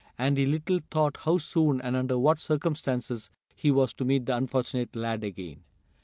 And he little thought how soon, and under what circumstances, he was to meet the unfortunate lad again.